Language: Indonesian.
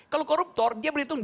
kalau koruptor dia berhitung